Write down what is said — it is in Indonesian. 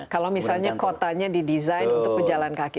kalau misalnya kotanya didesain untuk pejalan kaki